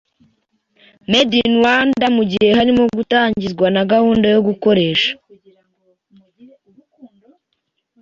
“Made in Rwanda” mu gihe harimo gutangizwa na gahunda yo gukoresha